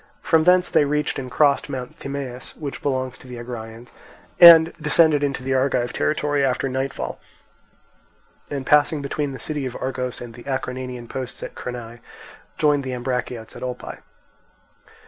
From thence they reached and crossed Mount Thymaus, which belongs to the Agraeans, and descended into the Argive territory after nightfall, and passing between the city of Argos and the Acarnanian posts at Crenae, joined the Ambraciots at Olpae.